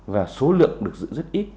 và số lượng được dự rất ít